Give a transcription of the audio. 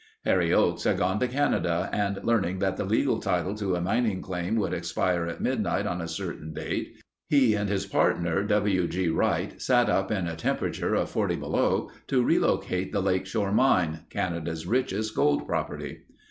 Harry Oakes had gone to Canada and learning that the legal title to a mining claim would expire at midnight on a certain date, he and his partner W. G. Wright sat up in a temperature of forty below, to relocate the Lakeshore Mine—Canada's richest gold property.